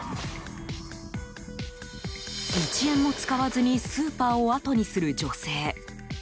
１円も使わずにスーパーを後にする女性。